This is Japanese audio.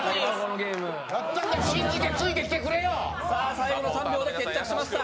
最後の３秒で決着しました。